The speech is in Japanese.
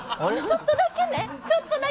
ちょっとだけね。